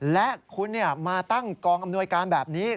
และคุณมาตั้งกองอำนวยการแบบนี้